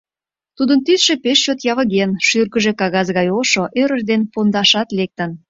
Тудын тӱсшӧ пеш чот явыген, шӱргыжӧ кагаз гай ошо, ӧрыш ден пондашат лектын.